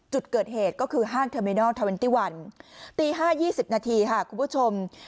จุดเกิดเหตุก็คือห้างเทอร์มินอล๒๑ตี๕๒๐นาทีค่ะคุณผู้ชม